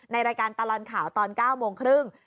รายการตลอดข่าวตอน๙โมงครึ่ง